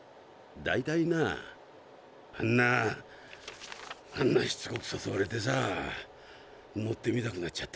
だいたいなあんなあんなしつこくさそわれてさ乗ってみたくなっちゃったらどうすんだよ